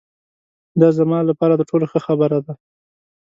دا زما له پاره تر ټولو ښه خبره ده.